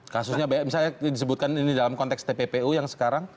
kasusnya banyak misalnya disebutkan ini dalam konteks tppu yang sekarang